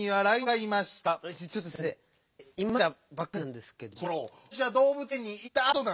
「いました」ばっかりなんですけど。